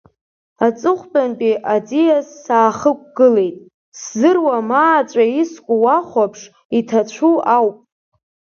Аҵыхәтәантәи аӡиас саахықәгылеит, сзыруам, ааҵәа иску уахәаԥш иҭацәу ауп.